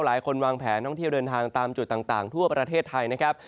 หลายคนวางแผนท่องเที่ยวเดินทางตามจุดต่างทั่วประเทศไทยนะครับ